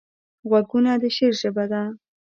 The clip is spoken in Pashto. غوږونه د شعر ژبه ده